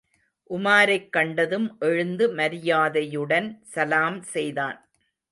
உமாரைக் கண்டதும் எழுந்து மரியாதையுடன் சலாம் செய்தான்.